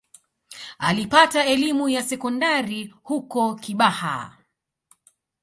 Alipata elimu ya sekondari huko Kibaha